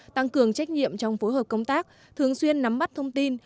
tăng cường trách nhiệm trong phối hợp công tác thường xuyên nắm bắt thông tin